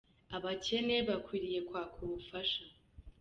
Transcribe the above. Abakene bakwiriye kwaka ubufasha.